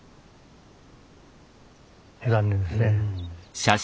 残念ですね。